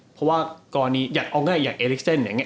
เพราะว่ากรณีอยากเอลิกเซ็นต์อย่างนี้